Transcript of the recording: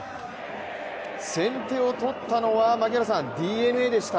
先手を取ったのは、ＤｅＮＡでした。